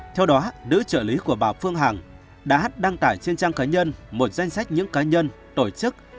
theo đó nữ trợ lý của bà phương hằng đã đăng tải trên trang cá nhân một danh sách những cá nhân tổ chức